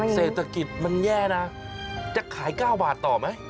เศรษฐกิจมันแย่นะจะขาย๙บาทต่อไหม